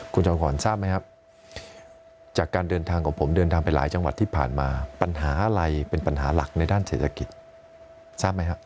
คุณจอมขวัญทราบไหมครับจากการเดินทางของผมเดินทางไปหลายจังหวัดที่ผ่านมาปัญหาอะไรเป็นปัญหาหลักในด้านเศรษฐกิจทราบไหมครับ